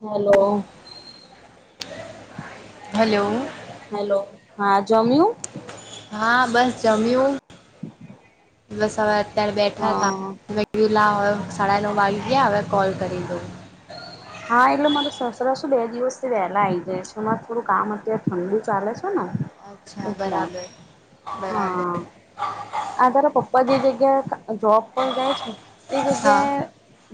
Hello. Hello. Hello. હા જમ્યું? હા બસ જમ્યું. બસ હવે અત્યારે બેઠા તા. હા હવ એ પેલા સાડા નવ વાગી ગયા હવે કોલ કરી દઉં. હા એટલે માર સસરા શું બે દિવસથી વહેલા આ આવી જાય છે. માર થોડું કામ અત્યારે ઠંડુ ચાલે છ અચ્છા બરાબર બરાબર. હા આ તારા પપ્પા જે જગ્યાએ જોબ પર જાય છે એ હા જગ્યાએ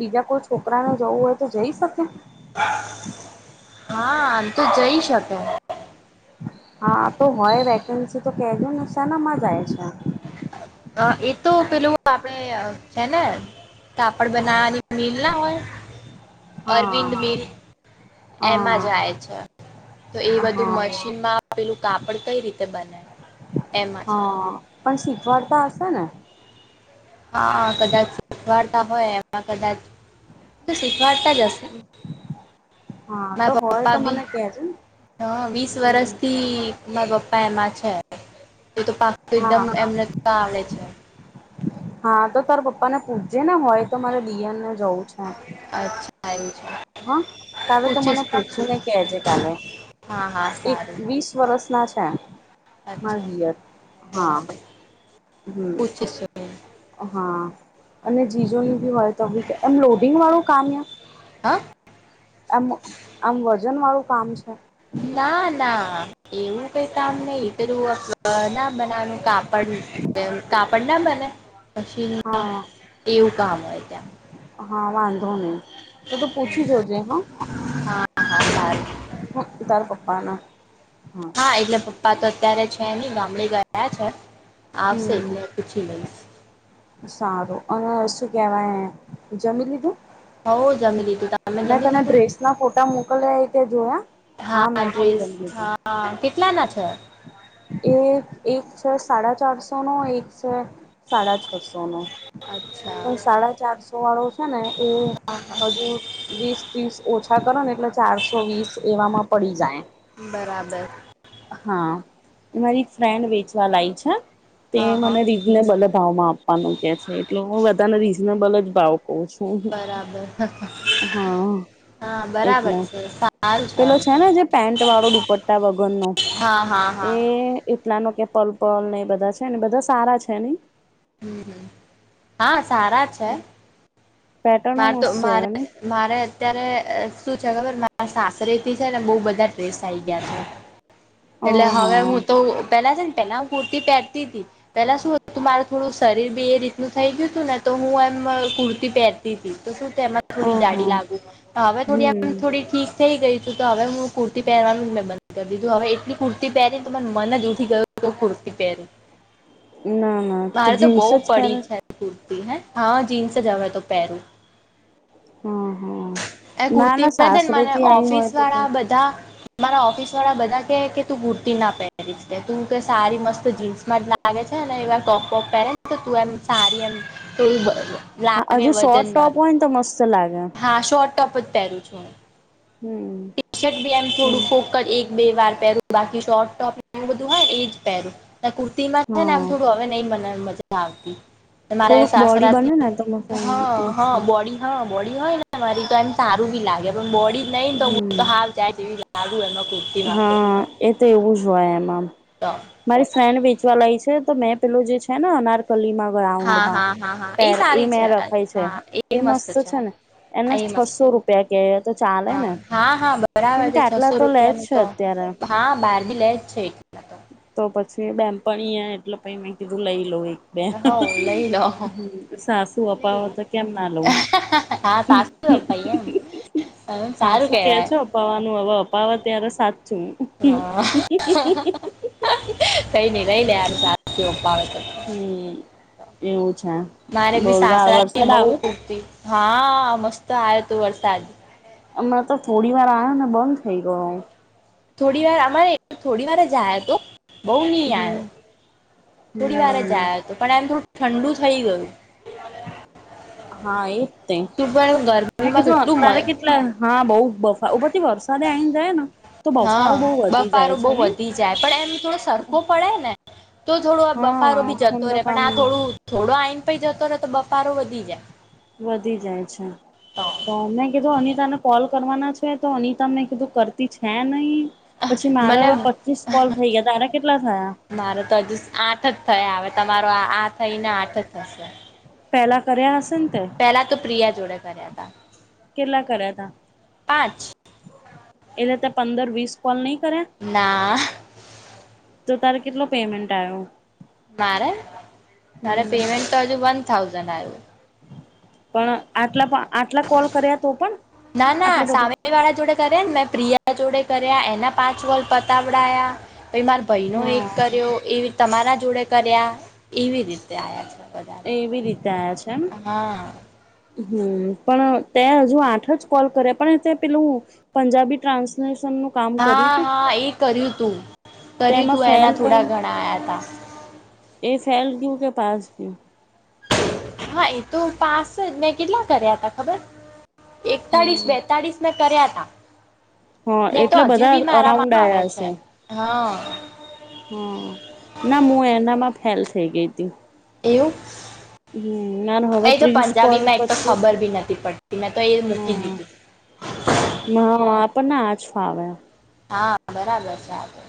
બીજા કોઈ છોકરાને જવું હોય તો જઈ શકે? હા આમ તો જઈ શકે. હા તો હોય વેકેન્સી તો કેજો ને. શેનામાં જાય છે? અ, એ તો પેલું આપડે છે ને કાપડ બનાવાની મિલ ના હોય, હા અરવિંદ મિલ. એમાં હા હા જાય છે. તો એ બધું મશીનમાં આપેલું કાપડ કઈ રીતે બને? એમાં જ. શીખવા તો આવશે ને? હા કદાચ શીખવાડતા હોય એમાં કદાચ શી વાર્તા જશે? હા તો હોય તો મને કેજો ને. હા વીસ વરષ થી મારા પપ્પા એમાં છે. એ તો પાક તો હા એકદમ એમને ક આવેે છે. હા તો તારા પપ્પા ને પૂછજે ને હોય તો મારે દિયને જવું છે. અચ્છા એવું છે હા કાલે તો પૂછીશ મને પૂછીશ પૂછીને કેજ કાલે. હા હા એક સારું વીસ વરષ ના છે. હા તલે, માર ડીયર હા. હમ પૂચી સય. હા અને જીજોની બી હોય તો બી એમ લોડિંગ વાળું કામ હે? હા આમ આમ વજનવાળું કામ છે? ના ના એવું કઈ કામ નઈ પેલુ ના બનાવાનું કાપડ કાપડ ના બને? શીનમા હા એવું કામ હોય ત્યા. ને તો ત પૂછી જોજે હા. હા હા સારું હા તાર પપ બાના. હા એટલે પપ્પા તો અત્યારે છે નય ગામડે ગયા છે આવશે એટલે હમ પૂછી લયશ. સારું અને શું કહેવાય, જમી લીધું? હો જમી લીધું તમે મેં જમી તને લીધું? ડ્રેસ ના ફોટા મોકલ્યા એ તે જોયા? હાં મે હા પણ ડ્રેસ જમી લીધું. હા કેટલાના છે? એ એક છે સાડા ચારસો નો એક છે સાડા છસોનો. અચ્છા પણ સાડા ચારસો વાળો છે ને એ હજુ વીસ ત્રીસ ઓછા કરો ને એટલે ચારસો વીસ એવામાં પડી જાય. બરાબર. હા એ મારી ફ્રેન્ડ વેચવા લાયી છે. તે હા હા મને રીઝનેબલ ભાવમાં આપવાનું કે છે એટલે હું બધાને રીઝનેબલ જ ભાવ કઉ છું બરાબર, હા હા બરાબર એટલે છે. પેલો એમ છે તો ને જે પેન્ટ વાળો દુપટ્ટા વગરનો હા હા હા એ નાનકડું પલ પલ ને એ બધા છે ને સારા છે ની? હમ્મ, હા સારા છે. પેટર્નો મારે તો મસ્ત માર છે નઈ મારે અત્યારે શું છે ખબર મારા સાસ રેતી છે ને બહુ બધા ડ્રેસ આઈ ગયા છે. અ એટલે હવે હા હું તો પેલા છે ને પેલા હું કુર્તી પહેરતી હતી પેલા શુંું તું મારું થોડું શરીર બી એ રીતનુંનુ થઈ ગયું હતું ને તો હું એમ કુર્તી પહેરતી હતી તો શું તેમાં અ થોડી જાડી હા લાગુ તો હવે થોડી આમ થોડી હમ ઠીક થઈ ગઈ છું તો હવે હું કુર્તી પહેરવાનું જ મેં બંધ કરી દીધું હવે એટલી કુર્તી પહેરીને તો મને મન જ ઉઠી ગયું તો કુર્તી પહેરી ના ના મારે તો જીન્સ બહ જ પડી પહેરે છે કુર્તી હા જીન્સ જ હવે તો પેરું હા હા એ ના કુર્તી ના માં ને સાસરે મને થી આઈ ઓફિસ હોય તો તે વાળા બધા મારા ઓફિસ વાળા બધા કે કે તું કુર્તી ના પહેરીશ તું કે સારી મસ્ત જીન્સમાં જ લાગે. એવા ટોપ બોપ પહેરેને તું એમ સારી એમ પેલી હા હજુ શોર્ટ વજન માર ટોપ હોય ને તો મસ્ત લાગે હા શોટ. ટોપ જ પહેરું છું. હમ ટી શર્ટ બી એમ થોડું ફોક એક બે વાર પહેર બાકી શોર્ટ ટોપ બધું હોય એજ પહેરું કુર્તીમાં છે. ને એમ હા થોડું હવે નહી મજા આવતી મારા થોડુંક બોડી સાસરા બને ને થી તો હા હ મસ્ત બોડી હા બોડી હોય ને મારી તો એમ તારું બી લાગે પણ બોડી નહી તો હું તો હમ હાલ જાય તેવી લું એ હા એ તો એવું જ હોય એમાંમ તો મારી ફ્રેન્ડ વેચવા લાવી તો મેં પેલું જે છે. ને અનારકલી કલીમાં હા ગ્રાઉન્ડમાં હા હા હા પર એ સારી મે છે રખાય છે. હા એ મસ્ત છે. ને એના એ મસ્ત છસો છે રૂપિયા કે તો ચાલે હા ને હા હા બરાબર કેમ છે કે આટલા છસો તો લેજ રૂપિયાનું તો હા બહાર ભી લે જ છે. એટલે તો પછી બેનપણી એટલે પછી મે કીધું લઈ લઉ બે હવ લઈ લો સાસુ અપાવો નહી તો કેમ ના લવું હા સાસું અપાવે ભાઈ એમ હ સારું સાસુ કે કેવાય છે. અપાવાનું હવે અપાવે ત્યારે સાચુ હા કઈ નઈ લઈ લે સાસુ [unintelligible] અપાવે તો હમ એવું છે. મારે બી સાસરા થી વરસાદ બહુ આવ્યો તો પૂરતી હા મસ્ત આવ્યો હતો વરસાદ હમણાં તો થોડી વાર આવ્યો ને બંધ થઇ ગયો હ થોડી વાર અમારે થોડી વાર જાય તો બહુ નહી હમ આવ્યો થોડી વાર જ હમ આવ્યો હતો પણ આમ થોડું ઠંડુ થઈ ગયું હા એ તે તું પણ મેં ગરમીમાં કીધું કેટલું તારે મળે કેટલા હા બહુ થી વરસાદે આવીને જાય ને તો બફારો બહુ હા વધી જાય બફારો બહુ છે નહી વધી જાય પણ એમ થોડો સરખો પડે ને તો થોડો આ હા બફારો ભી જતો રહેે ઠંડક પણ આમ આ થોડું થોડો આઈન પ જતો રહેે તો બફારો વધી જાય વધી જાય છે. તો મેં કીધું અ તને કોલ કરવાના છે. તો અનિતા મને કીધું કરતી છે. નહીં પછી મને મારા પચીસ પોલ થઈ ગયા તા અને મારે તો હજુ આઠ જ થયા આવે તમારો આ આ થઈ ને આઠ થશે પહેલા કર્યા ને તે પેલા તો પ્રિયા જોડે કર્યા હતા કેટલા કર્યા તા પાંચ એલે તો પંદર વીસ કોલની ના તો તારે કેટલો પેમેન્ટ આવ્યો મારે મારે હમ પેમેન્ટ તો હજુ વન થાઉઝન્ડ આવ્યું પણ આટલા આટલા કોલ કર્યા તો પણ ના ના આટલો બધો સામે વાળા જોડે કરે ને મેં પ્રિયા જોડે કર્યા એના પાંચ કોલ પતાવડાયા પ મારા ભાઈનો એક હા કર્યો એ તમારા જોડે કર્યા એવી રીતે આવ્યા છે. વધારે એવી રીતે આવ્યા છે. એમ હા હમ પણ તે હજુ આઠ જ કોલ કરે પણ તે પેલું પંજાબી ટ્રાન્સલેશ નું કામ કર્યું હા તું હા એ કર્યું તું કર્યું તેમાં તું ફેલ એના થોડા કયો ઘણા આવ્યા હતા એ ફેલ કયું કે પાસ કયું. હા એ તો પાસ જ મેં કેટલા કર્યા હતા ખબર એકતાળીસ હમ બેતાળીસ કર્યા ત હા ને તો એટલે હજુ બધા બી મારા અરાઉન્ડ માં આવે છે હા હમ ના હું એનામાં ફેલ થઈ ગઈ હતી. એ યુ. હમ માર હવે એ તો ત્રીસ કોલ પંજાબીમાં એક પણ પચીસ ખબર ભી નથી પડતી મેં તો એ મૂકી દીધું. હા [inaudible] હ આપણને આચ ફાવે. હા બરાબર છે આે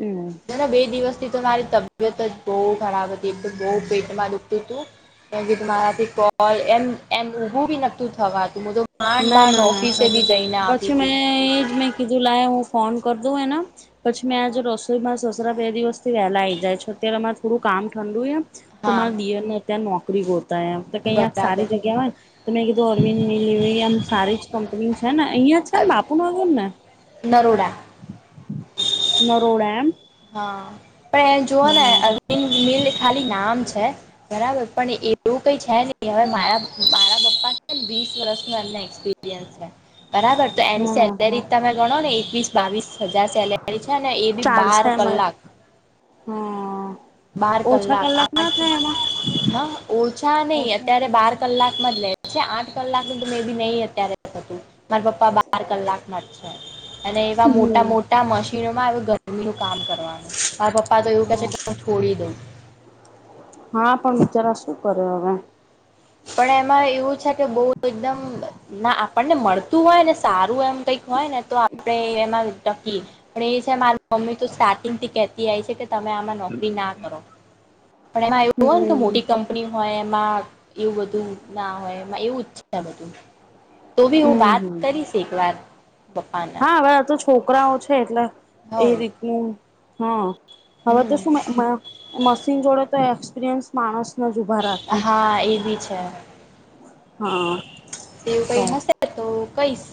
હમ બે દિવસથી તો મારી તબિયત જ બહ ખરાબ હતી એક બહ પેટમાં ડૂખતું હતું. કે કે તુાથી કોલ એમ એમું બી નતું થવા ત તો માંડ ના માંડ ના ના ઓફિસે સાચું બી જઈને આવતી પછી મેં હતી એજ મેં કીધું લ હ. ફોન કર દો એના પછી મેં આજ રસોઈમાંસ બે દિવસથી વહેલા આઈ જાય છે, અત્યારે અમારે થોડું કામ ઠંડુ એમ તો હા મારા દિને અત નો બોતા તો કહી આપ બરાબર સારી જગ્યા હોય તો મે એકો અરવિંદ મલીીમ સારી જ કંપની. છે ને અહં છે ને બાપુ વગર ને નરોડા. નરોડા એમ. હા પણ એ જોુઓ ને હા અન મિલ ખાલી નામ છે બરાબર. પણ એવું કઈ છે નહી હવે મારા મારા પપ્પા છે ને વીસ વર્ષ ન એનાય એપીન્ છે. બરાબર તો એની હા હા સેલેરી તમે ગણો ને એકવીસ બાવીસ હજાર સેલેરી છે ને એ બી બાર ચાલશે એમાં કલાક હા બાર ઓછા કલાક ના આઠ. થાય એમાં હા ઓછા નહી ઓછા અત્યારે બાર કલાકમાં જ લે. ચછ આઠ કલાક ન તો મે બી નહી અત્યારે હતું મારા પપ્પા બાર કલાકમાં જ છે. અને એવા મોટા હમ મોટા મશીનોમાં આવે ગરમી કામ કરવાનું મારા પપ્પા તો એવું કે છે કે હું છોડી દઉં. હા પણ વિચારા શું કરે હવે. પણ એમાં એવું છે કે બહ એકદમ ના આપણને મળતું હોય ને સારું એમ કઈક હોય ને તો આપડે એમાં ટકી પણ એ છે મારી મમ્મી તો સાર્ટિંગ થી કેતી આવીય છે. કે તમે આમાં નોકરી ના કરો પણ એમાં એવું હોયને કે હમ મોટી કંપની હોય એમાં. એવું બધું ના હોયમાં એવું છે બધું. તો ભી હું બાત હમ કરીશ એક વાર. હા હવે આ તો છોકરાઓ છે એટલે એ હવ રીતનું હા હવે તો હમ શું મશીન જોડે તો એ. સ્પરિન્સ માણસ. હા એ બી છે. હા સવ કઈ તો નશે તો કૈસ.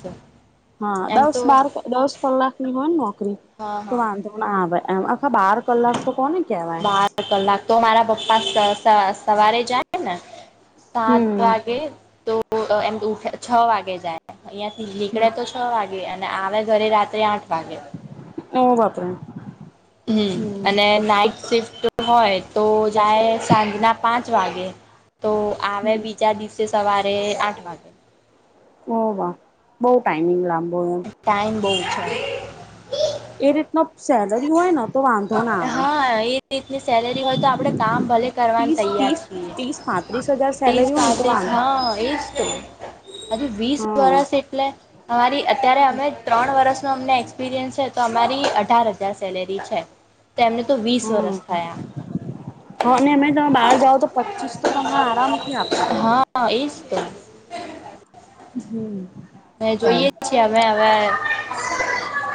હા દસ બાર દસ કલાકની હોય ને નોકરી હા તો હા વાંધોને આ ભાઈ એમ આખા બાર કલાક તો કોને કેવાય. બાર કલાક તો મારા પપ્પા સવારે જાય ને સાત હમ વાગે તો એમ ઉઠે છ વાગે જાય અહિયાં થી નીકળે તો છ વાગે. અને આવે ઘરે રાત્રે આઠ વાગે. એવું બાપરા. હમ અને નાઈટ શિફ્ટ. હોય તો જાય સાંજના પાંચ વાગે તો આવે બીજા દિવસે સવારે આઠ વાગે. ઓ વાહ બહુ ટાઈમિંગ લ. ટાઈમ બહ છે. એરેતના સેલરી હોય ને તો વાંધો ના આવે હા એ રીતની સેલેરી હોય તો આપડે કામ ભલે કરવાનું ત્રીસ તૈયાર ત્રીસ છીએ ત્રીસ પાંત્રીસ હજાર એજ સેલરી હોય ને તો સાથે જ વાંધો હા એજ હજી વીસ હમ વર્ષ એટલે અરી અત્યારે અમે ત્રણ વરસ તો અમને એક્સપિરિયસ છે તો અમારી અઢાર હજાર સેલેરી છે તેમને તો વીસ વરષ થયા હા અને અમે તમે બહાર જાાવ તો પચીસ તો તમને આરામ થી આપી દે હા [inaudible] હમમ જોઈએ છીએ હમે હવે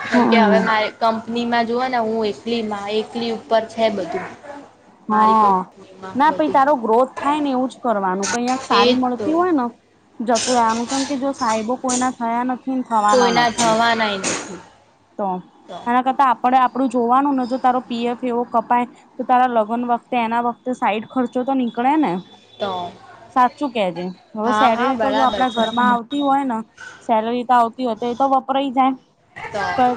કેમકે હમ હવે મારે કંપ કનીમાં જોઓ ને હું એકલી મારી એકલી ઉપર છે બધું મારી હા કંપની ના પહિ તારો ગ્રોથ થાય ને એવું જ કરવાનું કઈક સારી એજ તો મળતી હોય ને જતું આમ કેમ કે જો સાહેબો કોઈના થયા નથી ને થવાના કોઈના નથી થવાનાય નથી તો તો એના કરતા પડે આપણું જોવાનું ને જો તારો પીએફ એવો કપાય તો તારા લગ્ન વખતે એના વખતે સાઈડ ખર્ચો તો નીકળે ને તો સાચું કેજે હવે હા હા સેલેરી તો જો બરાબર આપડા છે ઘરમાં આવતી હોય ને સેલરી તો આવતી હોય તો એ તો વપરાય જાય તો ઘર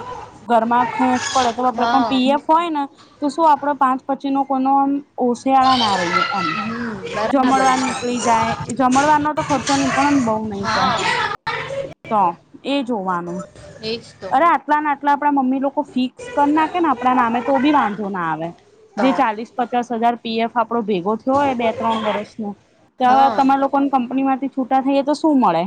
ઘરમાં ખેંચ પડે તો આપણે હા પણ પીએફ હોય ને તો શું આપડો પાંચ પછી નો કોઈનો આમ ઓશિયાળા ના રહીએ એમ હમ બરાબર જમણવાર છે નીકળી જાય જમણવાર નો તો ખર્ચો નીકળી કરન બઉ નહી તો હા તો એ જોવાનું એજ તો અરે આટલાને આટલા આપડા મમ્મી લોકો ફિક્સ કરી નાખે ને આપણા નામે તો બી વાંધો ના આવે તો જે ચાલીસ પચાસ હજાર પી એફ આપણો ભેગો થયો હોય બે ત્રણ વર્ષનો હા ત્યાં તમારા લોકોને કંપનીમાંથી છૂટા થઈ તો શું મળે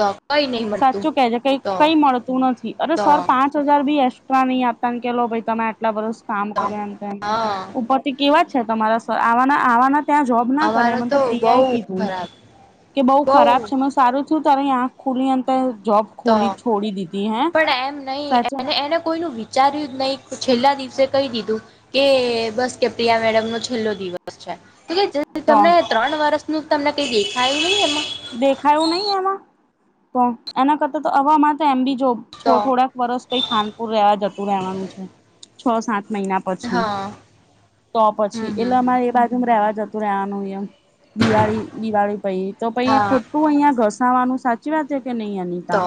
તો કઈ નહી મળતું સાચું કે છે કઈ તો કઈ મળતું નથી અરે તો સર પાંચ હજાર બી એક્સ્ટ્રા નહીં આપતા ને કે લો ભાઈ તમે આટલા વરસ સુધી કામ કરે એમ તો એમ હા ઉપરથી કેવા છે તમારા આવાના આવાના ત્યાં જોબ ના કરે અમારો મને તો પ્રિયા બહુ એ કીધું ખરાબ કે બહુ ખરાબ છે મેં સારું તું તારી આંખ ખુલી અંતર જોબ તો ખોલી છોડી દીતી હૈ પણ એમ નહી એ એને કોઈ ન વિચાર્યું જ નહી છેલ્લા દિવસે કહી દીધું કે બસ કે પ્રિયા મેડમ નો છેલ્લો દિવસ છે તમને જલ્દી તો તમને ત્રણ વર્ષનું તમને કઈ દેખાયું નહીં એમાં દેખાયું નહી એમાં તો એના કરતા તો હવેમાં તો એમ બી જો છો તો થોડાક વર્ષ પ ખાનપુર જતું રહેવાનું છે છ સાત મહિના પછી હા તો હમ પછી હમ એટલે હમ અમારે એ બાજુમાં રહેવા જતું રવાનું એમ દિવાળી દિવાળી પહી તો પહી હા ખોટું અહિયાં ઘસાવાનું સાચી વાતે કે નહી અનિતા તો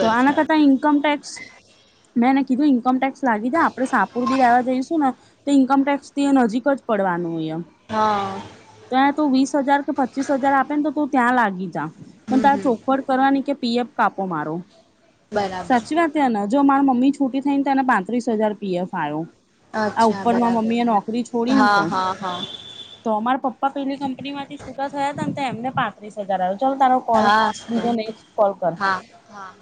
તો છે આના કરતા ઇન્કમ ટેક્સ મેં ને કીધું ઈન્કમ ટેક્સ લાગી જાય આપણે શાહપુર બી રહેવા જઈશું ને ઈન્કમ ટેક્સ થી નજીક જ પડવાનું હોય હા એમ તો ત વીસ હજાર કે પચીસ હજાર આપે ને તો તું ત્યાં લાગી જા પણ હમ તારે હમ ચોખવટ કરવાની કે પીએપ કાપો મારો બરાબર સાચી વાત અનેયા જો માર મમ્મી છુટી થઈને તેને પાંત્રીસ હજાર પીએફ આવ્યો આ અચ્છા ઉપરમાં બરાબર મમ્મી એ નોકરી છોડીને હા તો હા હા તો અમારા પપ્પા પા પેલી કંપની માં છૂટા થયા હતા એને પાંત્રીસ હજાર આવ્યો તો ચાલ તારો કોલ હા તો બીજો નેક્સ્ટ કોલ કર હા હા